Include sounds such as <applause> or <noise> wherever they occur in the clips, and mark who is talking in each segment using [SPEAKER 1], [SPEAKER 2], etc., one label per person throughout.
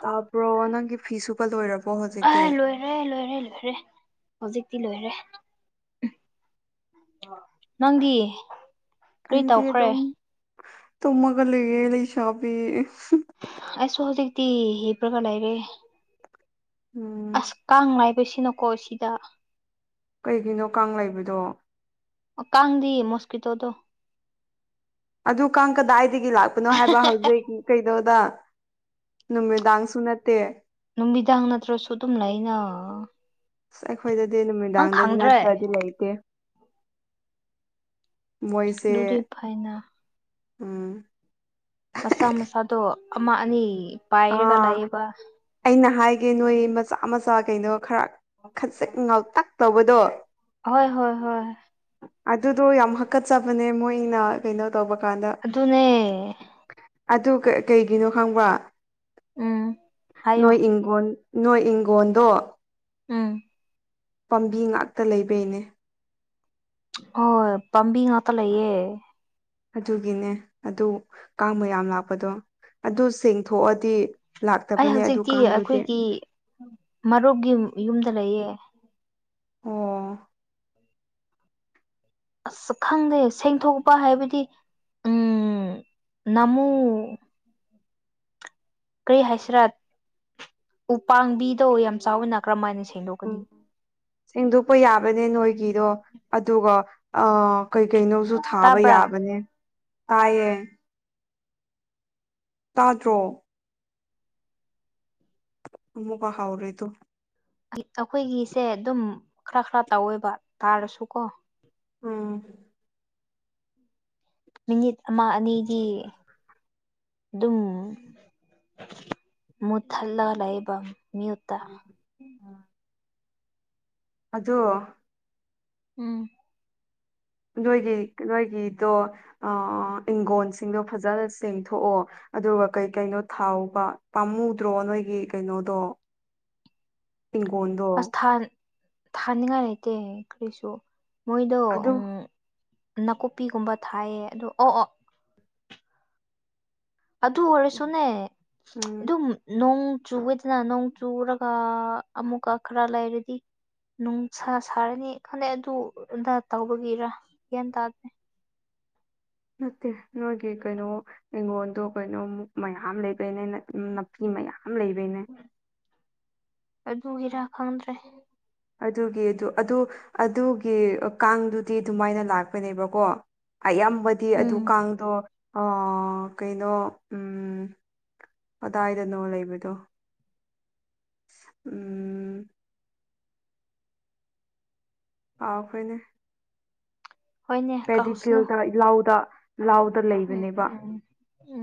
[SPEAKER 1] ꯇꯥꯕ꯭ꯔꯣ ꯅꯪꯒꯤ ꯐꯤ ꯁꯨꯕ ꯂꯣꯏꯔꯕꯣ ꯍꯧꯖꯤꯛꯇꯤ
[SPEAKER 2] ꯑ ꯂꯣꯏꯔꯦ ꯂꯣꯏꯔꯦ ꯂꯣꯏꯔꯦ ꯍꯧꯖꯤꯛꯇꯤ ꯂꯣꯏꯔꯦ ꯅꯪꯗꯤ ꯀꯔꯤ
[SPEAKER 1] ꯑꯩꯁꯦ
[SPEAKER 2] ꯇꯧꯈ꯭ꯔꯦ
[SPEAKER 1] ꯑꯗꯨꯝ ꯇꯨꯝꯃꯒ ꯂꯩꯌꯦ ꯂꯩꯁꯥꯕꯤ
[SPEAKER 2] ꯑꯩꯁꯨ ꯍꯧꯖꯤꯛꯛꯇꯤ ꯍꯤꯞꯔꯀ ꯂꯩꯔꯦ
[SPEAKER 1] ꯎꯝ
[SPEAKER 2] ꯑꯁ ꯀꯥꯡ ꯍꯥꯏꯕꯁꯤꯅꯀꯣ ꯁꯤꯗ
[SPEAKER 1] ꯀꯩꯒꯤꯅꯣ ꯀꯥꯡ ꯂꯩꯕꯗꯣ
[SPEAKER 2] ꯀꯥꯡꯗꯤ ꯃꯣꯁꯀꯤꯇꯣꯗꯣ
[SPEAKER 1] ꯑꯗꯨ ꯀꯥꯡ ꯀꯗꯥꯏꯗꯒꯤ ꯂꯥꯛꯄꯅꯣ ꯍꯥꯏꯕ ꯍꯧꯖꯤꯛ꯫ ꯀꯩꯗꯧꯗ ꯅꯨꯃꯤꯗꯥꯡꯁꯨ ꯅꯠꯇꯦ꯫
[SPEAKER 2] ꯅꯨꯃꯤꯗꯥꯡ ꯅꯠꯇ꯭ꯔꯁꯨ ꯑꯗꯨꯝ ꯂꯩꯅꯥꯥ
[SPEAKER 1] ꯑꯁ ꯑꯩꯈꯣꯏꯗꯗꯤ ꯅꯨꯃꯤꯗꯥꯡꯗꯗꯤ ꯅꯠꯇ꯭ꯔꯗꯤ ꯂꯩꯇꯦ꯫
[SPEAKER 2] ꯑꯗꯨꯗꯤ
[SPEAKER 1] ꯃꯣꯏꯁꯦ
[SPEAKER 2] ꯐꯩꯅ
[SPEAKER 1] ꯎꯝ
[SPEAKER 2] ꯃꯆꯥꯥ ꯃꯆꯥꯥꯗꯣ ꯑꯃ ꯑꯅꯤ ꯄꯥꯏꯔꯒ
[SPEAKER 1] ꯑꯥ
[SPEAKER 2] ꯂꯩꯌꯦꯕ
[SPEAKER 1] ꯑꯩꯅ ꯍꯥꯏꯒꯦ ꯅꯣꯏ ꯃꯆꯥ ꯃꯆꯥ ꯀꯩꯅꯣ ꯈꯔ ꯈꯆꯛ ꯉꯥꯎꯇꯥꯛ ꯇꯧꯕꯗꯣ
[SPEAKER 2] ꯍꯣꯏ ꯍꯣꯏ ꯍꯣꯏ
[SPEAKER 1] ꯑꯗꯨꯗꯣ ꯌꯥꯝ ꯍꯥꯀꯠꯆꯕꯅꯦ ꯃꯣꯏꯅ ꯀꯩꯅꯣ ꯇꯧꯕ ꯀꯥꯟꯗ
[SPEAKER 2] ꯑꯗꯨꯅꯦ
[SPEAKER 1] ꯑꯗꯨ ꯀꯩꯒꯤꯅꯣ ꯈꯪꯕ꯭ꯔ
[SPEAKER 2] ꯎꯝ ꯍꯥꯏꯌꯣ
[SPEAKER 1] ꯅꯣꯏ ꯏꯪꯒꯣꯟ ꯅꯣꯏ ꯏꯪꯒꯣꯟꯗꯣ
[SPEAKER 2] ꯎꯝ
[SPEAKER 1] ꯄꯥꯝꯕꯤ ꯉꯥꯛꯇ ꯂꯩꯕꯩꯅꯦ
[SPEAKER 2] ꯍꯣꯢ ꯄꯥꯝꯕꯤ ꯉꯥꯛꯇ ꯂꯩꯌꯦ
[SPEAKER 1] ꯑꯗꯨꯒꯤꯅꯦ ꯑꯗꯨ ꯀꯥꯡ ꯃꯌꯥꯝ ꯂꯥꯛꯄꯗꯣ ꯑꯗꯨ ꯁꯦꯡꯊꯣꯛꯑꯗꯤ
[SPEAKER 2] ꯑꯩ
[SPEAKER 1] ꯂꯥꯛꯇꯕꯅꯦ ꯑꯗꯨ
[SPEAKER 2] ꯍꯧꯖꯤꯛꯇꯤ
[SPEAKER 1] ꯀꯥꯡꯗꯨꯗꯤ
[SPEAKER 2] ꯑꯈꯣꯏꯒꯤ ꯃꯔꯨꯞꯒꯤ ꯌꯨꯝꯗ ꯂꯩꯌꯦ꯫
[SPEAKER 1] ꯑꯣ
[SPEAKER 2] ꯑꯁ ꯈꯪꯗꯦ ꯁꯦꯡꯗꯣꯛꯄ ꯍꯥꯏꯕꯗꯤ ꯎꯝ ꯅꯃꯨ ꯀꯔꯤ ꯍꯥꯏꯁꯤꯔ ꯎ ꯄꯥꯡꯕꯤꯗꯣ ꯌꯥꯝ ꯆꯥꯎꯋꯤꯅ ꯀꯔꯝ ꯍꯥꯏꯅ ꯁꯦꯡꯗꯣꯛꯀꯅꯤ
[SPEAKER 1] ꯁꯦꯡꯗꯣꯛꯄ ꯌꯥꯕꯅꯦ ꯅꯣꯏꯒꯤꯗꯣ ꯑꯗꯨꯒ ꯀꯩ ꯀꯩꯅꯣꯁꯨ ꯊꯥꯕ
[SPEAKER 2] ꯇꯥꯕ꯭ꯔꯥ
[SPEAKER 1] ꯌꯥꯕꯅꯦ ꯇꯥꯏꯌꯦ꯫ ꯇꯥꯗ꯭ꯔꯣ ꯃꯨꯛꯕ ꯍꯥꯎꯔꯦꯗꯣ
[SPEAKER 2] ꯑꯈꯣꯏꯒꯤꯁꯦ ꯗꯨꯝ ꯈ꯭ꯔ ꯈ꯭ꯔ ꯇꯧꯋꯦꯕ ꯇꯥꯔꯁꯨ ꯀꯣ꯫
[SPEAKER 1] ꯑꯥꯝ
[SPEAKER 2] ꯃꯤꯅꯤꯠ ꯑꯃ ꯑꯅꯤꯗꯤ ꯑꯗꯨꯝ ꯃꯨꯊꯜꯂ ꯂꯩꯕ
[SPEAKER 1] ꯑꯣ ꯎꯝ꯫ ꯑꯗꯣ
[SPEAKER 2] ꯎꯝ꯫
[SPEAKER 1] ꯅꯣꯏꯒꯤ ꯅꯣꯏꯒꯤꯗꯣ ꯑ ꯏꯪꯒꯣꯟꯁꯤꯡꯗꯣ ꯐꯖꯅ ꯆꯦꯡꯊꯣꯛꯑꯣ꯫ ꯑꯗꯨꯒ ꯀꯩ ꯀꯩꯅꯣ ꯊꯥꯎꯕ ꯄꯥꯝꯃꯨꯗ꯭ꯔꯣ ꯅꯣꯏꯒꯤ ꯀꯩꯅꯣꯗꯣ ꯏꯪꯒꯣꯟꯗꯣ
[SPEAKER 2] ꯑꯁ ꯊꯥꯟ ꯊꯥꯅꯤꯡꯉꯥꯏ ꯂꯩꯇꯦ ꯀꯔꯤꯁꯨ ꯃꯣꯏꯗꯣ
[SPEAKER 1] ꯑꯗꯨ
[SPEAKER 2] ꯑꯨꯡ ꯅꯥꯀꯨꯞꯄꯤꯒꯨꯝꯕ ꯊꯥꯏꯌꯦ ꯑꯗꯣ ꯑꯣ ꯑꯣ ꯑꯗꯨ ꯑꯣꯏꯔꯁꯨꯅꯦ
[SPEAKER 1] ꯎꯝ
[SPEAKER 2] ꯑꯗꯨꯝ꯫ ꯅꯣꯡ ꯆꯨꯢꯗꯅ ꯅꯣꯡ ꯆꯨꯔꯒ ꯑꯃꯨꯛꯀ ꯈꯔ ꯂꯩꯔꯗꯤ ꯅꯨꯡꯁꯥ ꯁꯥꯔꯅꯤ ꯈꯜꯂꯦ ꯑꯗꯨ ꯑꯗꯥ ꯇꯧꯕꯒꯤꯔꯥ ꯒ꯭ꯌꯥꯟ ꯇꯥꯗꯦ
[SPEAKER 1] ꯅꯠꯇꯦ ꯅꯣꯢꯒꯤ ꯀꯩꯅꯣ ꯢꯀꯣꯡꯗꯣ ꯀꯩꯅꯣ ꯃꯨꯛ ꯃꯌꯥꯝ ꯂꯩꯕꯩꯅꯦ ꯅꯥꯄꯤ ꯃꯌꯥꯝ ꯂꯩꯕꯩꯅꯦ
[SPEAKER 2] ꯑꯗꯨꯒꯤꯔꯥ ꯈꯪꯗ꯭ꯔꯦ
[SPEAKER 1] ꯑꯗꯨꯒꯤ ꯑꯗꯨ ꯑꯗꯨ ꯑꯗꯨꯒꯤ ꯑ ꯀꯥꯡꯗꯨꯗꯤ ꯑꯗꯨꯃꯥꯏꯅ ꯂꯥꯛꯄꯅꯦꯕꯀꯣ ꯑꯌꯥꯝꯕꯗꯤ ꯑꯗꯨ
[SPEAKER 2] ꯎꯝ
[SPEAKER 1] ꯀꯥꯡꯗꯣ ꯑꯣ ꯀꯩꯅꯣ ꯎ ꯀꯗꯥꯏꯗꯅꯣ ꯂꯩꯕꯗꯣ ꯎꯝ ꯀꯥꯎꯈ꯭ꯔꯦꯅꯦ
[SPEAKER 2] ꯍꯣꯏꯅꯦ ꯀꯧꯁꯅꯨ
[SPEAKER 1] ꯄꯦꯗꯤꯐꯤꯜꯗ ꯂꯥꯎꯗ ꯂꯥꯎꯗ꯫
[SPEAKER 2] ꯎꯝ ꯎꯝ ꯎꯝ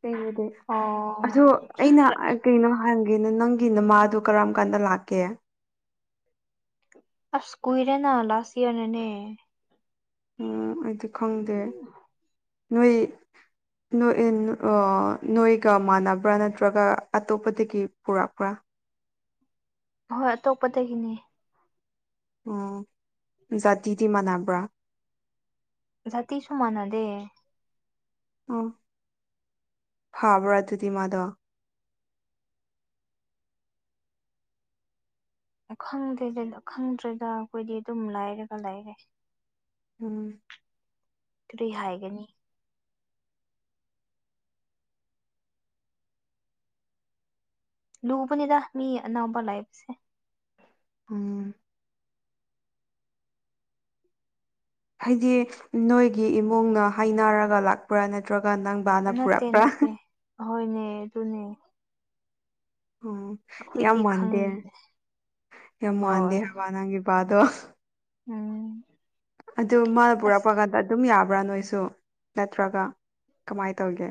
[SPEAKER 1] ꯀꯩꯕꯨꯗꯤ
[SPEAKER 2] ꯑꯣ
[SPEAKER 1] ꯑꯗꯣ ꯑꯩꯅ ꯑꯥꯏ ꯀꯩꯅꯣ ꯍꯪꯒꯦꯅ ꯅꯪꯒꯤ ꯅꯃꯥꯗꯣ ꯀꯔꯝ ꯀꯥꯟꯗ ꯂꯥꯛꯀꯦ
[SPEAKER 2] ꯑꯁ ꯀꯨꯏꯔꯦꯅ ꯂꯥꯁ ꯏꯌꯥꯔ ꯗꯅꯦ꯫
[SPEAKER 1] ꯎꯝ ꯑꯩꯗꯤ ꯈꯪꯗꯦ ꯅꯣꯏ ꯅꯣꯏ ꯅꯣꯏꯒ ꯃꯥꯟꯅꯕ꯭ꯔꯥ ꯅꯠꯇ꯭ꯔꯒ ꯑꯇꯣꯞꯄꯗꯒꯤ ꯄꯨꯔꯛꯄ꯭ꯔꯥ
[SPEAKER 2] ꯍꯣꯏ ꯑꯇꯣꯞꯄꯗꯒꯤꯅꯦ
[SPEAKER 1] ꯑꯣ ꯖꯥꯇꯤꯗꯤ ꯃꯥꯟꯅꯕ꯭ꯔꯥ
[SPEAKER 2] ꯖꯥꯇꯤꯁꯨ ꯃꯥꯟꯅꯗꯦ
[SPEAKER 1] ꯑꯣ ꯐꯥꯕ꯭ꯔꯥ ꯑꯗꯨꯗꯤ ꯃꯥꯗꯣ꯫
[SPEAKER 2] ꯈꯪꯗꯦꯗ ꯈꯪꯗ꯭ꯔꯦꯗ ꯑꯩꯈꯣꯏꯗꯤ ꯑꯗꯨꯝ ꯂꯥꯏꯔꯒ ꯂꯩꯔꯦ
[SPEAKER 1] ꯎꯝ
[SPEAKER 2] ꯀꯔꯤ ꯍꯥꯏꯒꯅꯤ ꯂꯨꯕꯅꯤꯗ ꯃꯤ ꯑꯅꯧꯕ ꯂꯩꯏꯕꯁꯦ
[SPEAKER 1] ꯎꯝ ꯍꯥꯏꯗꯤ ꯅꯣꯏꯒꯤ ꯏꯃꯨꯡꯅ ꯍꯥꯏꯅꯔꯒ ꯂꯥꯛꯄ꯭ꯔꯥ ꯅꯠꯇ꯭ꯔꯒ ꯅꯪ ꯕꯥꯅ
[SPEAKER 2] ꯅꯠꯇꯦ
[SPEAKER 1] ꯄꯨꯔꯛꯄ꯭ꯔꯥ
[SPEAKER 2] ꯅꯠꯇꯦ ꯍꯣꯏꯅꯦ ꯑꯗꯨꯅꯦ
[SPEAKER 1] ꯑꯣ ꯌꯥꯝ
[SPEAKER 2] ꯑꯩꯈꯣꯏꯗꯤ
[SPEAKER 1] ꯃꯥꯟꯗꯦ
[SPEAKER 2] ꯈꯪꯉꯤ
[SPEAKER 1] ꯌꯥꯝ ꯃꯥꯟꯗꯦ
[SPEAKER 2] ꯍꯣꯏ
[SPEAKER 1] ꯍꯥꯏꯕ ꯅꯪꯒꯤ ꯅꯨꯄꯥꯗꯣ꯫
[SPEAKER 2] ꯎꯝ
[SPEAKER 1] ꯑꯗꯨ ꯃꯥꯅ
[SPEAKER 2] ꯑꯁ
[SPEAKER 1] ꯄꯨꯔꯛꯄ ꯀꯥꯟꯗ ꯑꯗꯨꯝ ꯌꯥꯕ꯭ꯔꯥ ꯅꯣꯏꯁꯨ ꯅꯠꯇ꯭ꯔꯒ ꯀꯃꯥꯏꯅ ꯇꯧꯒꯦ꯫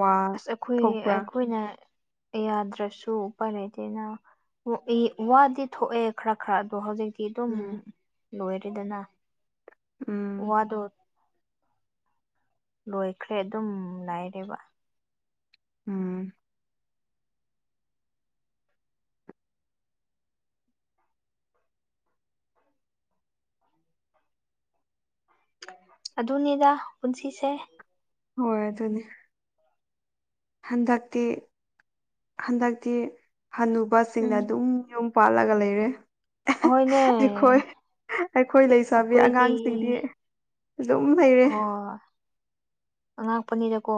[SPEAKER 1] ꯋꯥ
[SPEAKER 2] ꯑꯁ ꯑꯩꯈꯣꯏ
[SPEAKER 1] ꯊꯣꯛꯄ꯭ꯔꯥ
[SPEAKER 2] ꯑꯩꯈꯣꯏꯅ ꯌꯥꯗ꯭ꯔꯁꯨ ꯎꯄꯥꯏ ꯂꯩꯇꯦꯅ ꯋꯨ ꯏ ꯋꯥꯗꯤ ꯊꯣꯛꯑꯦ ꯈꯔ ꯈꯔ ꯑꯗꯣ ꯍꯧꯖꯤꯛꯇꯤ ꯁꯤ ꯑꯗꯨꯝ
[SPEAKER 1] ꯎꯝ
[SPEAKER 2] ꯂꯣꯏꯔꯦꯗꯅ
[SPEAKER 1] ꯎꯝ
[SPEAKER 2] ꯋꯥꯗꯣ ꯂꯣꯏꯈ꯭ꯔꯦ ꯑꯗꯨꯝ ꯉꯥꯏꯔꯦꯕ
[SPEAKER 1] ꯎꯝ
[SPEAKER 2] ꯑꯗꯨꯅꯤꯗ ꯄꯨꯟꯁꯤꯁꯦ
[SPEAKER 1] ꯍꯣꯏ ꯑꯗꯨꯅꯤ꯫ ꯍꯟꯗꯛꯇꯤ ꯍꯟꯗꯛꯇꯤ ꯍꯅꯨꯕꯁꯤꯡꯅ
[SPEAKER 2] ꯎꯝ
[SPEAKER 1] ꯑꯗꯨꯝ ꯌꯨꯝ꯫ ꯄꯥꯜꯂꯒ ꯂꯩꯔꯦ
[SPEAKER 2] ꯍꯣꯏꯅꯦ
[SPEAKER 1] ꯑꯩꯈꯣꯏ ꯑꯩꯈꯣꯏ ꯂꯩꯁꯕꯤ
[SPEAKER 2] ꯑꯩꯈꯣꯏꯗꯤ
[SPEAKER 1] ꯑꯉꯥꯡꯁꯤꯡꯗꯤ ꯝ ꯂꯩꯔꯦ
[SPEAKER 2] ꯑꯣ ꯑꯉꯥꯛꯄꯅꯤꯗꯀꯣ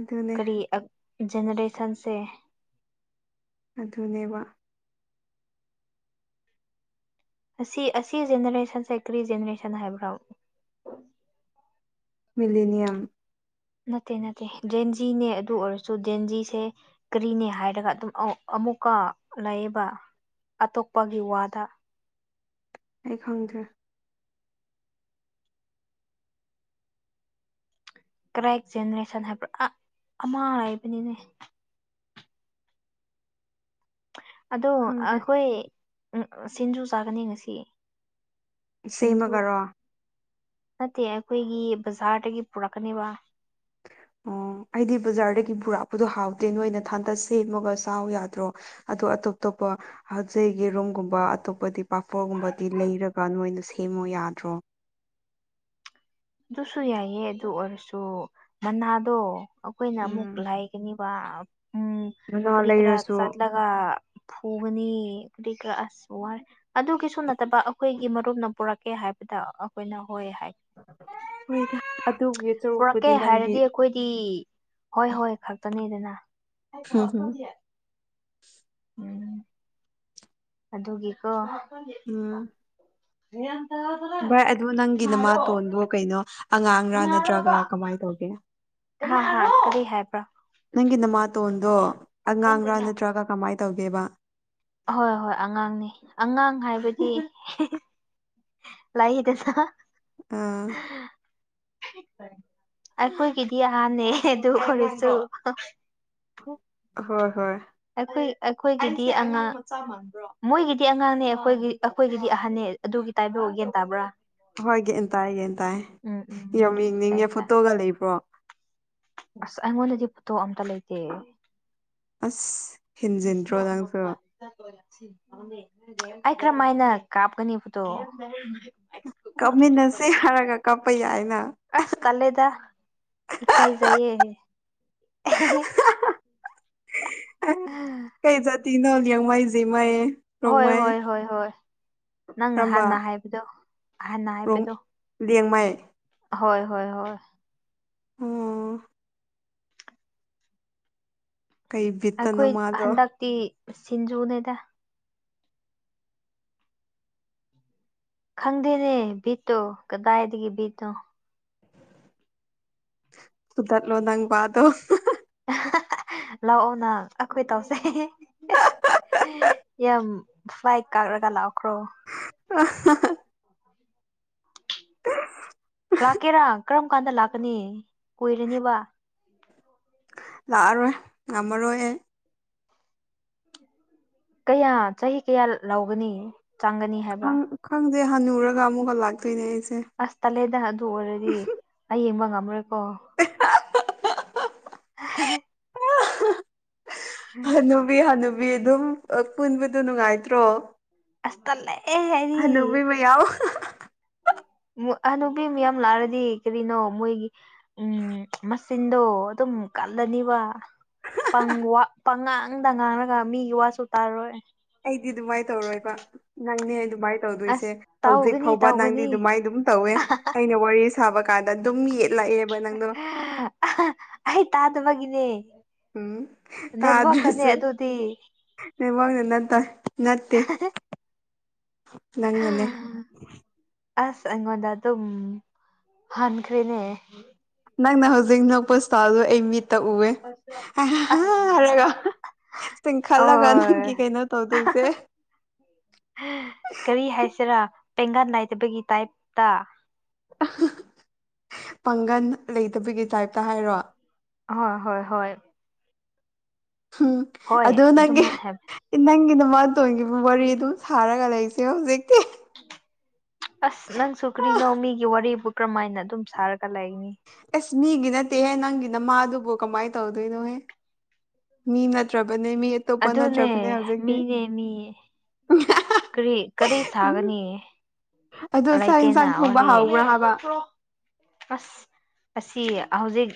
[SPEAKER 1] ꯑꯗꯨꯅꯦ
[SPEAKER 2] ꯀꯔꯤ ꯑ ꯖꯦꯅꯦꯔꯦꯁꯟꯁꯦ
[SPEAKER 1] ꯑꯗꯨꯅꯦꯕ
[SPEAKER 2] ꯑꯁꯤ ꯑꯁꯤ ꯖꯦꯅꯦꯔꯦꯁꯟꯁꯦ ꯀ꯭ꯔꯤ ꯖꯦꯅꯔꯦꯁꯟ ꯍꯥꯏꯕ꯭ꯔꯣ
[SPEAKER 1] ꯃꯤꯂꯤꯅꯤꯌꯝ
[SPEAKER 2] ꯅꯠꯇꯦ ꯅꯠꯇꯦ ꯖꯦꯟꯖꯤꯅꯦ ꯑꯗꯨ ꯑꯣꯏꯔꯁꯨ ꯖꯦꯟꯖꯤꯁꯦ ꯀꯔꯤꯅꯦ ꯍꯥꯏꯔꯒ ꯑꯗꯨꯝ ꯑꯃꯨꯛꯀ ꯂꯩꯌꯦꯕ ꯑꯇꯣꯞꯄꯒꯤ ꯋꯥꯗ꯫
[SPEAKER 1] ꯑꯩ ꯈꯪꯗ꯭ꯔꯦ
[SPEAKER 2] ꯀ꯭ꯔꯦꯛ ꯖꯦꯅꯦꯔꯦꯁꯟ ꯍꯥꯏꯕ꯭ꯔꯥ ꯑꯥ ꯑꯃꯥ ꯍꯥꯏꯕꯅꯤꯅꯦ ꯑꯗꯣ
[SPEAKER 1] ꯈꯪꯗꯦ
[SPEAKER 2] ꯑꯈꯣꯏ ꯑꯝ ꯁꯤꯡꯖꯨ ꯆꯥꯒꯅꯤ ꯉꯁꯤ ꯁꯤꯡꯖꯨ
[SPEAKER 1] ꯁꯦꯝꯃꯒꯔꯣ
[SPEAKER 2] ꯅꯠꯇꯦ ꯑꯩꯈꯣꯏꯒꯤ ꯕꯖꯥꯔꯗꯒꯤ ꯄꯨꯔꯛꯀꯅꯦꯕ
[SPEAKER 1] ꯑꯣ ꯑꯩꯗꯤ ꯕꯖꯥꯔꯗꯒꯤ ꯕꯨꯔꯥꯛꯄꯗꯣ ꯍꯥꯎꯗꯦ ꯅꯣꯏꯅ ꯊꯟꯇ ꯁꯦꯝꯃꯒ ꯁꯥ ꯌꯥꯗ꯭ꯔꯣ ꯑꯗꯣ ꯑꯇꯣꯞ ꯇꯣꯞꯄ ꯍꯧꯖꯤꯛꯒꯤ ꯔꯨꯝꯒꯨꯝꯕ ꯑꯇꯣꯞꯄꯗꯤ ꯄꯥꯐꯣꯔꯒꯨꯝꯕꯗꯤ ꯂꯩꯔꯒ ꯅꯣꯏꯅ ꯁꯦꯝꯃꯣ ꯌꯥꯗ꯭ꯔꯣ
[SPEAKER 2] ꯑꯗꯨꯁꯨ ꯌꯥꯏꯌꯦ ꯑꯗꯨ ꯑꯣꯏꯔꯁꯨ ꯃꯅꯥꯗꯣ ꯑꯈꯣꯏꯅ ꯑꯃꯨꯛ
[SPEAKER 1] ꯎꯝ
[SPEAKER 2] ꯂꯥꯏꯒꯅꯤ ꯋꯥ ꯎꯝ
[SPEAKER 1] ꯃꯅꯥ
[SPEAKER 2] ꯀꯔꯤ ꯀ꯭ꯔ
[SPEAKER 1] ꯂꯩꯔꯁꯨ
[SPEAKER 2] ꯆꯠꯂꯒ ꯐꯨꯒꯅꯤ ꯀꯗꯤ ꯈꯔ ꯑꯁ ꯋꯥꯔꯦ ꯑꯗꯨꯒꯤꯁꯨ ꯅꯠꯇꯕ ꯑꯩꯈꯣꯏꯒꯤ ꯃꯔꯨꯞꯅ ꯄꯨꯔꯛꯀꯦ ꯍꯥꯏꯕꯗ ꯑꯩꯈꯣꯏꯅ ꯍꯣꯏ ꯍꯥꯏ
[SPEAKER 1] ꯍꯣꯏꯗ ꯑꯗꯨꯒꯤ
[SPEAKER 2] ꯄꯨꯔꯛꯀꯦ
[SPEAKER 1] ꯆꯔꯨꯛꯄꯨꯗꯤ ꯅꯪꯒꯤ
[SPEAKER 2] ꯍꯥꯏꯔꯗꯤ ꯑꯩꯈꯣꯏꯗꯤ ꯍꯣꯏ ꯍꯣꯏ ꯈꯛꯇꯅꯤꯗꯅ꯫
[SPEAKER 1] ꯍꯨ ꯍꯝ
[SPEAKER 2] ꯎꯝ ꯑꯗꯨꯒꯤꯀꯣ
[SPEAKER 1] ꯑꯝ
[SPEAKER 2] <inaudible>
[SPEAKER 1] ꯚꯥꯏ ꯑꯗꯨ ꯅꯪꯒꯤ ꯅꯃꯥꯇꯣꯟꯗꯣ ꯀꯩꯅꯣ ꯑꯉꯥꯡꯔꯥ ꯅꯠꯇ꯭ꯔꯒ ꯀꯃꯥꯏ ꯇꯧꯒꯦ
[SPEAKER 2] ꯍꯥ ꯍꯥ ꯀꯔꯤ ꯍꯥꯏꯕ꯭ꯔꯥ
[SPEAKER 1] ꯅꯪꯒꯤ ꯅꯃꯥꯇꯣꯟꯗꯣ ꯑꯉꯥꯡꯔꯥ ꯅꯠꯇ꯭ꯔꯒ ꯀꯃꯥꯏꯅ ꯇꯧꯒꯦꯕ
[SPEAKER 2] ꯑꯍꯣꯏ ꯍꯣꯏ ꯑꯉꯥꯡꯅꯤ ꯑꯉꯥꯡ ꯍꯥꯏꯕꯗꯤ ꯂꯥꯑꯦꯗꯅ
[SPEAKER 1] ꯑꯥ
[SPEAKER 2] ꯑꯩꯈꯣꯏꯒꯤꯗꯤ ꯀꯗꯤ ꯑꯅꯦ ꯇ ꯈꯁꯨ
[SPEAKER 1] ꯑ ꯍꯣꯏ ꯍꯣꯏ
[SPEAKER 2] ꯑꯩꯈ ꯑꯩꯈꯣꯏꯒꯤꯗꯤ ꯑꯉꯥꯡ ꯃꯣꯏꯒꯤꯗꯤ ꯑꯉꯥꯡꯅꯦ ꯑꯩꯈꯣꯏ ꯑꯩꯈꯣꯏꯒꯤꯗꯤ ꯑꯍꯟꯅꯦ ꯑꯗꯨꯒꯤ ꯇꯥꯏꯕꯣ ꯌꯦꯒꯟ ꯇꯥꯕ꯭ꯔꯥ
[SPEAKER 1] ꯍꯣꯏ ꯒꯦꯟ ꯇꯥꯏ ꯒꯦꯟ ꯇꯥꯏꯌꯦ
[SPEAKER 2] ꯎꯝ ꯎꯝ
[SPEAKER 1] ꯌꯥꯝ
[SPEAKER 2] ꯑꯗꯨꯒꯤ
[SPEAKER 1] ꯌꯦꯡꯅꯤꯡꯉꯦ
[SPEAKER 2] ꯇꯥꯏꯞꯇ
[SPEAKER 1] ꯐꯣꯇꯣꯒ ꯂꯩꯕ꯭ꯔꯣ
[SPEAKER 2] ꯑꯁ ꯑꯩꯉꯣꯟꯗꯗꯤ ꯄꯣꯊꯣꯛ ꯑꯝꯇ ꯂꯩꯇꯦ
[SPEAKER 1] ꯑꯁ ꯍꯦꯟꯖꯤꯟꯗ꯭ꯔꯣ ꯅꯪꯁꯨ
[SPEAKER 2] ꯑꯩ ꯀꯔꯝꯃꯥꯏꯅ ꯀꯥꯞꯀꯅꯤ ꯐꯣꯇꯣ
[SPEAKER 1] ꯀꯞꯃꯤꯟꯅꯁꯤ ꯍꯥꯏꯔꯒ ꯀꯥꯞꯄ ꯌꯥꯏꯅ
[SPEAKER 2] ꯑꯁ ꯇꯂꯦꯗ ꯏꯀꯥꯏꯖꯏꯌꯦꯦ
[SPEAKER 1] ꯀꯩ ꯖꯥꯇꯤꯅꯣ ꯌꯦꯡꯃꯩ ꯖꯤꯃꯩ
[SPEAKER 2] ꯍꯣꯏ ꯍꯣꯏ ꯍꯣꯏ ꯍꯣꯏ ꯅꯪ
[SPEAKER 1] ꯀꯔꯝꯕ
[SPEAKER 2] ꯍꯥꯟꯅ ꯍꯥꯏꯕꯗꯣ ꯍꯥꯟꯅ ꯍꯥꯏꯕꯗꯣ
[SPEAKER 1] ꯂꯦꯡꯃꯥꯏ꯫
[SPEAKER 2] ꯍꯣꯏ ꯍꯣꯏ ꯍꯣꯏ
[SPEAKER 1] ꯎꯝ ꯀꯩ ꯕꯤꯠꯇꯅꯣ
[SPEAKER 2] ꯑꯩꯈꯣꯏ
[SPEAKER 1] ꯃꯥꯗꯣ
[SPEAKER 2] ꯍꯟꯗꯛꯇꯤ ꯁꯤꯡꯖꯨꯅꯦꯗ ꯈꯪꯗꯦꯅꯦ ꯚꯤꯠꯇꯣ ꯀꯗꯥꯏꯗꯒꯤ ꯚꯤꯠꯅꯣ
[SPEAKER 1] ꯈꯨꯗꯔꯂꯣꯗꯪꯕꯥꯗꯣ
[SPEAKER 2] ꯂꯥꯛꯑꯣ ꯅꯪ ꯑꯩꯈꯣꯏ ꯇꯧꯁꯦ ꯌꯥꯝ ꯐ꯭ꯂꯥꯏꯠ ꯀꯥꯔꯒ ꯂꯥꯛꯈ꯭ꯔꯣ
[SPEAKER 1] ꯑ
[SPEAKER 2] ꯂꯥꯛꯀꯦꯔꯥ ꯀꯔꯝ ꯀꯥꯟꯗ ꯂꯥꯛꯀꯅꯤ ꯀꯨꯏꯔꯅꯤꯕ꯫
[SPEAKER 1] ꯂꯥꯛꯑꯔꯣꯏ ꯉꯝꯃꯔꯣꯏ ꯑꯩ꯫
[SPEAKER 2] ꯀꯌꯥ ꯆꯍꯤ ꯀꯌꯥ ꯂꯧꯒꯅꯤ ꯆꯥꯡꯒꯅꯤ ꯍꯥꯏꯕ
[SPEAKER 1] ꯈꯪ ꯈꯪꯗꯦ ꯍꯟꯅꯨꯔꯒ ꯑꯃꯨꯛꯀ ꯂꯥꯛꯇꯣꯏꯅꯦ ꯑꯩꯁꯦ
[SPEAKER 2] ꯑꯁ ꯇꯠꯂꯦꯗ ꯑꯗꯨ ꯑꯣꯏꯔꯗꯤ ꯑꯩ ꯑꯌꯦꯡꯕ ꯉꯝꯃꯔꯣꯏꯀꯣ꯫
[SPEAKER 1] <unintelligible>
[SPEAKER 2] <unintelligible>
[SPEAKER 1] ꯍꯅꯨꯕꯤ ꯍꯅꯨꯕꯤ ꯑꯗꯨꯝ ꯄꯨꯟꯕꯗꯣ ꯅꯨꯡꯉꯥꯏꯇ꯭ꯔꯣ
[SPEAKER 2] ꯑꯁ ꯇꯜꯂꯦ ꯑꯦꯍ
[SPEAKER 1] ꯍꯅꯨꯃꯤ ꯃꯌꯥꯝ
[SPEAKER 2] ꯍꯅꯨꯕꯤ ꯃꯌꯥꯝ ꯂꯥꯛꯑꯗꯤ ꯀꯔꯤꯅꯣ ꯃꯣꯏꯒꯤ ꯎꯝ ꯃꯆꯤꯟꯗꯣ ꯑꯗꯨꯝ ꯀꯜꯂꯅꯤꯕ ꯄꯪ ꯋꯥ ꯄꯪꯉꯥꯡꯗ ꯉꯥꯡꯔꯒ ꯃꯤꯒꯤ ꯋꯥꯁꯨ ꯇꯥꯔꯣꯏ
[SPEAKER 1] ꯑꯩꯗꯤ ꯑꯗꯨꯃꯥꯏꯅ ꯇꯧꯔꯣꯏꯕ ꯅꯪꯅꯦ ꯑꯗꯨꯃꯥꯏ ꯇꯧꯗꯣꯏꯁꯦ
[SPEAKER 2] ꯑꯁ
[SPEAKER 1] ꯍꯧꯖꯤꯛ
[SPEAKER 2] ꯇꯧꯒꯅꯤ
[SPEAKER 1] ꯐꯥꯎꯕ ꯅꯪꯗꯤ
[SPEAKER 2] ꯇꯧꯒꯅꯤ
[SPEAKER 1] ꯑꯗꯨꯃꯥꯏ ꯗꯨꯝ ꯇꯧꯋꯦ ꯑꯩꯅ ꯋꯥꯔꯤ ꯁꯥꯕ ꯀꯥꯟꯗ ꯑꯗꯨꯝ ꯌꯦꯠꯂꯛꯑꯦꯕ ꯅꯪꯗꯣ
[SPEAKER 2] ꯑꯩ ꯇꯥꯗꯕꯒꯤꯅꯦ
[SPEAKER 1] ꯎꯝ
[SPEAKER 2] ꯅꯦꯠꯋꯥꯛꯛꯇꯅꯦ
[SPEAKER 1] ꯇꯥꯗ꯭ꯔꯁꯨ
[SPEAKER 2] ꯑꯗꯨꯗꯤ
[SPEAKER 1] ꯅꯦꯠꯋꯥꯛꯅ ꯅꯠꯇꯩ ꯅꯠꯇꯦ ꯅꯪꯅꯅꯦ
[SPEAKER 2] ꯑꯁ ꯑꯩꯉꯣꯟꯗ ꯑꯗꯨꯝ ꯍꯟꯈ꯭ꯔꯦꯅꯦ
[SPEAKER 1] ꯅꯪꯅ ꯍꯧꯖꯤꯛ ꯅꯣꯛꯄ ꯁꯇꯥꯜꯗꯨ ꯑꯩ ꯃꯤꯠꯇ ꯎꯋꯦ
[SPEAKER 2] ꯑꯁ
[SPEAKER 1] ꯍꯥꯏꯔꯒ
[SPEAKER 2] ꯑꯣ
[SPEAKER 1] ꯆꯤꯡꯈꯜꯂꯒ ꯅꯪꯒꯤ ꯀꯩꯅꯣ ꯇꯧꯗꯣꯏꯁꯦ
[SPEAKER 2] ꯀꯔꯤ ꯍꯥꯏꯁꯤꯔꯥ ꯄꯦꯡꯒꯟ ꯅꯥꯏꯗꯕꯒꯤ ꯇꯥꯏꯞꯇ
[SPEAKER 1] ꯄꯥꯡꯒꯜ ꯂꯩꯇꯕꯒꯤ ꯇꯥꯏꯞꯇ ꯍꯥꯏꯔꯣ
[SPEAKER 2] ꯍꯣꯏ ꯍꯣꯏ ꯍꯣꯏ
[SPEAKER 1] ꯎꯝ
[SPEAKER 2] ꯍꯣꯏ
[SPEAKER 1] ꯑꯗꯨꯗ ꯅꯪꯒꯤ
[SPEAKER 2] ꯑꯗꯨꯃꯥꯏꯅ ꯍꯥꯏꯕ
[SPEAKER 1] ꯅꯪꯒꯤ ꯅꯃꯇꯣꯟꯒꯤꯕꯨ ꯋꯥꯔꯤ ꯑꯗꯨꯝ ꯁꯥꯔꯒ ꯂꯩꯁꯦ ꯍꯧꯖꯤꯛꯇꯤ
[SPEAKER 2] ꯑꯁ ꯅꯪꯁꯨ ꯀꯔꯤꯅꯣ ꯃꯤꯒꯤ ꯋꯥꯔꯤꯕꯨ ꯀꯔꯝꯍꯥꯏꯅ ꯑꯗꯨꯝ ꯁꯥꯔꯒ ꯂꯩꯅꯤ
[SPEAKER 1] ꯑꯁ ꯃꯤꯒꯤ ꯅꯠꯇꯦꯍꯦ ꯅꯪꯒꯤꯅ ꯃꯥꯗꯨꯕꯨ ꯀꯃꯥꯏꯅ ꯇꯧꯗꯣꯏꯅꯣꯍꯦ ꯃꯤ ꯅꯠꯇ꯭ꯔꯕꯅꯦ ꯃꯤ ꯑꯇꯣꯞꯄ
[SPEAKER 2] ꯑꯗꯨꯅꯦ
[SPEAKER 1] ꯅꯠꯇ꯭ꯔꯕꯅꯦ ꯍꯧꯖꯤꯛꯇꯤ
[SPEAKER 2] ꯀ꯭ꯔꯤ ꯀꯔꯤ
[SPEAKER 1] ꯎꯝ
[SPEAKER 2] ꯁꯥꯒꯅꯤ
[SPEAKER 1] ꯑꯗꯣ ꯆꯥꯛ
[SPEAKER 2] ꯂꯩꯇꯦꯅ
[SPEAKER 1] ꯌꯦꯟꯁꯥꯡ ꯊꯣꯡꯕ
[SPEAKER 2] ꯋꯥꯔꯤ
[SPEAKER 1] ꯍꯥꯎꯕ꯭ꯔꯥ ꯍꯥꯏꯕ
[SPEAKER 2] ꯑꯁ ꯑꯁꯤ ꯍꯧꯖꯤꯛ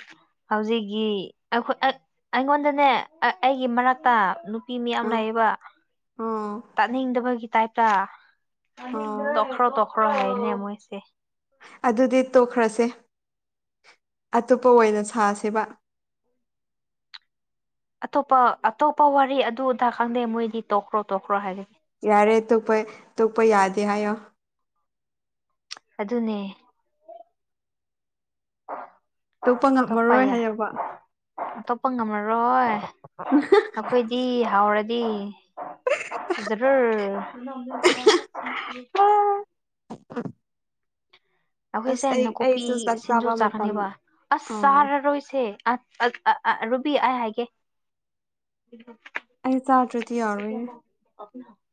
[SPEAKER 2] ꯍꯧꯖꯤꯛꯒꯤ ꯑꯩꯈ ꯑꯩ ꯑꯩꯉꯣꯟꯗꯅꯦ ꯑꯩꯒꯤ ꯃꯔꯛꯇ ꯅꯨ ꯄꯤ ꯃꯤ ꯌꯥꯝ
[SPEAKER 1] ꯑꯥ
[SPEAKER 2] ꯂꯩꯌꯦꯕ
[SPEAKER 1] ꯑꯣ
[SPEAKER 2] ꯇꯥꯅꯤꯡꯗꯕꯒꯤ ꯇꯥꯏꯞꯇ
[SPEAKER 1] ꯑꯣ
[SPEAKER 2] ꯇꯣꯛꯈ꯭ꯔꯣ ꯇꯣꯛꯈ꯭ꯔꯣ ꯍꯥꯢꯕꯅꯦ ꯃꯣꯏꯁꯦ
[SPEAKER 1] ꯑꯗꯨꯗꯤ ꯇꯣꯛꯈ꯭ꯔꯁꯦ ꯑꯇꯣꯞꯄ ꯑꯣꯏꯅ ꯁꯥꯁꯦꯕ
[SPEAKER 2] ꯑꯇꯣꯞꯄ ꯑꯇꯣꯞꯄ ꯋꯥꯔꯤ ꯑꯗꯨ ꯑꯗꯥ ꯈꯪꯗꯦ ꯃꯣꯏꯗꯤ ꯇꯣꯛꯈ꯭ꯔꯣ ꯇꯣꯛꯈ꯭ꯔꯣ ꯍꯥꯏꯒꯅꯤ
[SPEAKER 1] ꯌꯥꯔꯦ ꯇꯣꯛꯄꯩ ꯇꯨꯄꯩ ꯌꯥꯗꯦ ꯍꯥꯏꯌꯣ
[SPEAKER 2] ꯑꯗꯨꯅꯦ
[SPEAKER 1] ꯇꯣꯛꯄ ꯉꯝꯃꯔꯣꯏ ꯍꯥꯏꯌꯣꯕ
[SPEAKER 2] ꯑꯇꯣꯞꯄ ꯉꯝꯃꯔꯣꯏ ꯑꯩꯈꯣꯏꯗꯤ ꯍꯥꯎꯔꯗꯤ ꯖꯔꯔ
[SPEAKER 1] ꯑꯁ
[SPEAKER 2] ꯑꯩꯈꯣꯏꯁꯦ
[SPEAKER 1] ꯑꯩ
[SPEAKER 2] ꯅꯥꯀꯨꯞꯄꯤ
[SPEAKER 1] ꯑꯩꯁꯨ ꯆꯥꯛ
[SPEAKER 2] ꯁꯤꯟꯖꯨ
[SPEAKER 1] ꯆꯥꯕ ꯃꯇꯝ
[SPEAKER 2] ꯆꯥꯒꯅꯦꯕ ꯑꯁ
[SPEAKER 1] ꯑꯣ
[SPEAKER 2] ꯆꯥꯔꯔꯣꯏꯁꯦ ꯑ ꯑ ꯑ ꯑꯥ ꯔꯨꯕꯤ ꯑꯩ ꯍꯥꯏꯒꯦ
[SPEAKER 1] ꯑꯩ ꯆꯥꯗ꯭ꯔꯗꯤ ꯌꯥꯔꯣꯢꯌꯦ
[SPEAKER 2] <inaudible>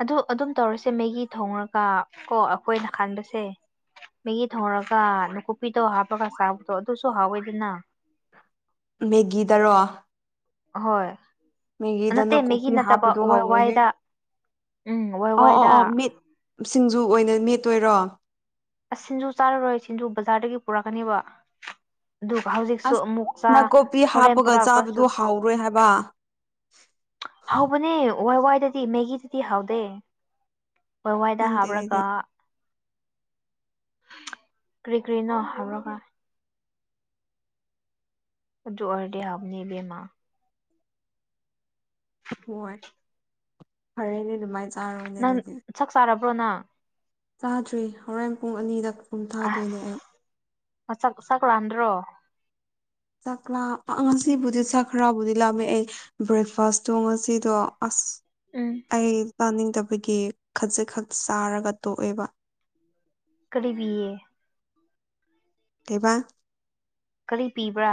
[SPEAKER 2] ꯑꯗꯨ ꯑꯗꯨꯝ ꯇꯧꯔꯁꯦ ꯃꯦꯒꯤ ꯊꯣꯡꯔꯒ ꯀꯣ ꯑꯩꯈꯣꯏꯅ ꯈꯥꯟꯕꯁꯦ ꯃꯦꯒꯤ ꯊꯣꯡꯔꯒ ꯅꯣꯀꯨꯞꯄꯤꯗꯣ ꯍꯥꯞꯄꯒ ꯆꯥꯕꯗꯣ ꯑꯗꯨꯁꯨ ꯍꯥꯎꯋꯦꯗꯅ
[SPEAKER 1] ꯃꯦꯒꯤꯗꯔꯣ
[SPEAKER 2] ꯍꯣꯏ
[SPEAKER 1] ꯃꯦꯒꯤꯗ
[SPEAKER 2] ꯅꯠꯇꯦ ꯃꯦꯒꯤ
[SPEAKER 1] ꯅꯥꯀꯨꯞꯄꯤ
[SPEAKER 2] ꯅꯠꯇꯕ
[SPEAKER 1] ꯍꯥꯞꯄꯗꯣ
[SPEAKER 2] ꯋꯥꯏ -
[SPEAKER 1] ꯍꯧꯔꯣꯏꯍꯦ
[SPEAKER 2] ꯋꯥꯢꯗ ꯎꯝ ꯋꯥꯏ
[SPEAKER 1] ꯑꯧ ꯑꯧ
[SPEAKER 2] ꯋꯥꯏꯗ
[SPEAKER 1] ꯑꯧ ꯃꯤꯠ ꯁꯤꯡꯖꯨ ꯑꯣꯏꯅ ꯃꯦꯠꯇꯣꯏꯔꯣ
[SPEAKER 2] ꯑꯁ ꯁꯤꯟꯖꯨ ꯆꯥꯔꯔꯣꯏ ꯁꯤꯟꯖꯨ ꯕꯖꯥꯔꯗꯒꯤ ꯄꯨꯔꯛꯀꯅꯤꯕ ꯑꯗꯨꯒ ꯍꯧꯖꯤꯛꯁꯨ
[SPEAKER 1] ꯑꯁ
[SPEAKER 2] ꯑꯃꯨꯛ ꯆꯤ
[SPEAKER 1] ꯅꯥꯀꯨꯞꯄꯤ
[SPEAKER 2] ꯍꯣꯔꯦꯟ
[SPEAKER 1] ꯍꯥꯞꯄꯒ ꯆꯥꯕꯗꯣ
[SPEAKER 2] ꯄꯨꯔꯛꯄꯁꯨ
[SPEAKER 1] ꯍꯥꯎꯔꯣꯏ ꯍꯥꯏꯕ
[SPEAKER 2] ꯍꯥꯎꯕꯅꯦ ꯋꯥꯏ ꯋꯥꯏꯗꯗꯤ ꯃꯦꯒꯤꯗꯗꯤ ꯍꯥꯎꯗꯦ ꯋꯥꯏ ꯋꯥꯏꯗ
[SPEAKER 1] ꯈꯪꯗꯦ
[SPEAKER 2] ꯍꯥꯞꯔꯒ
[SPEAKER 1] ꯑꯩꯗꯤ
[SPEAKER 2] ꯀ꯭ꯔꯤ ꯀ꯭ꯔꯤꯅꯣ ꯍꯧꯔꯒ ꯑꯗꯨ ꯑꯣꯏꯔꯗꯤ ꯍꯥꯕꯅꯦ ꯢꯕꯦꯝꯃ
[SPEAKER 1] ꯍꯣꯏ ꯐꯔꯦꯅꯦ ꯑꯗꯨꯃꯥꯏ ꯆꯥꯔꯣꯅꯦ ꯑꯗꯨꯗꯤ
[SPEAKER 2] ꯆꯛ ꯆꯥꯔꯕ꯭ꯔꯣ ꯅꯪ
[SPEAKER 1] ꯆꯥꯗ꯭ꯔꯤ ꯍꯣꯔꯏ ꯄꯨꯡ ꯑꯅꯤꯗꯛ ꯀꯨꯝꯊꯗꯣꯏꯅꯦ ꯑꯩ
[SPEAKER 2] ꯃꯅꯛ ꯆꯥꯛ ꯂꯥꯝꯗꯔꯣ
[SPEAKER 1] ꯆꯀꯂꯥ ꯉꯁꯤꯕꯨꯗꯤ ꯆꯈ꯭ꯔꯥꯕꯨꯗꯤ ꯂꯥꯝꯃꯦ ꯑꯩ ꯕ꯭ꯔꯦꯛꯐꯥꯁꯇꯣ ꯉꯁꯤꯗꯣ ꯑꯁ
[SPEAKER 2] ꯎꯝ
[SPEAKER 1] ꯑꯩ ꯆꯥꯅꯤꯡꯗꯕꯒꯤ ꯈꯖꯤꯛ ꯈꯛ ꯆꯥꯔꯒ ꯇꯣꯛꯑꯦꯕ
[SPEAKER 2] ꯀꯔꯤꯕꯤꯌꯦ
[SPEAKER 1] ꯀꯩꯕ
[SPEAKER 2] ꯀꯔꯤ ꯄꯤꯕ꯭ꯔꯥ